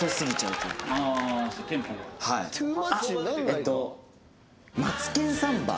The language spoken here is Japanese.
えっと。